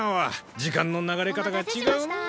時間の流れ方が違うなぁ。